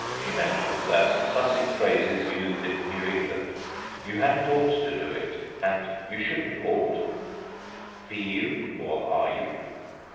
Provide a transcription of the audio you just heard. She mentions as Sussex phrases used in New England 'You hadn't ought to do it,' and 'You shouldn't ought'; 'Be you'? for 'Are you'?